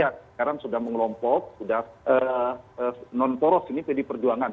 sekarang sudah mengelompok sudah non poros ini pdi perjuangan